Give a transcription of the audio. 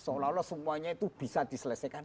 seolah olah semuanya itu bisa diselesaikan